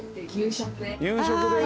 夕食です。